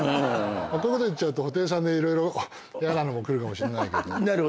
こういうこと言っちゃうと「布袋さん」で色々やなのも来るかもしれないけど。